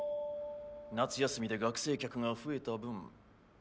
夏休みで学生客が増えた分ん？